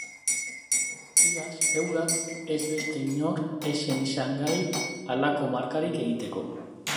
Iaz eurak ez beste inor ez zen izan gai halako markarik egiteko.